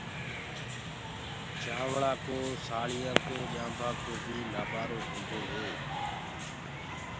چآوݪآ ڪو سآريآ ڪو ڄآنٚڀآ ڪو بي لآبآرو هيندو هي۔